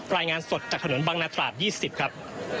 รายงานสดจากถนนบังนาตราด๒๐ครับ